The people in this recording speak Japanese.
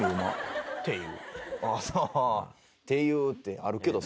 「っていう」ってあるけど。